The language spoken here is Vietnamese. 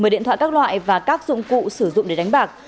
một mươi điện thoại các loại và các dụng cụ sử dụng để đánh bạc